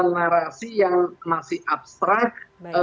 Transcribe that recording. narasi yang masih abstrak